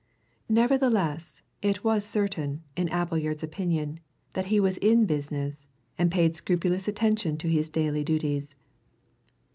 Nevertheless, it was certain, in Appleyard's opinion, that he was in business, and paid scrupulous attention to his daily duties.